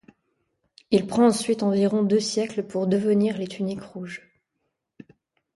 Il prend ensuite environ deux siècles pour devenir les tuniques rouges.